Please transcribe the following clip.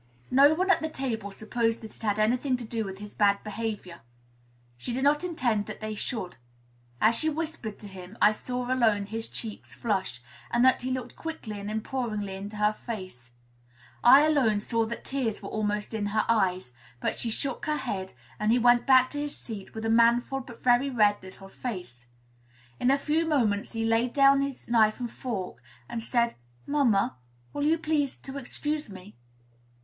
No one at the table supposed that it had any thing to do with his bad behavior. She did not intend that they should. As she whispered to him, I alone saw his cheek flush, and that he looked quickly and imploringly into her face; I alone saw that tears were almost in her eyes. But she shook her head, and he went back to his seat with a manful but very red little face. In a few moments he laid down his knife and fork, and said, "Mamma, will you please to excuse me?"